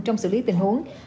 trong xử lý tình huống